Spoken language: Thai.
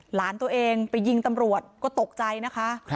หลานตัวเองไปยิงตำรวจก็ตกใจนะคะ